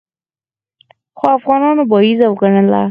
خو افغانانو بابیزه وګڼله.